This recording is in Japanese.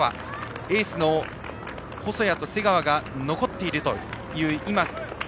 エースの細谷と瀬川が残っているという。